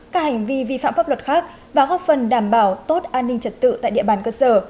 các hành vi vi phạm pháp luật khác và góp phần đảm bảo tốt an ninh trật tự tại địa bàn cơ sở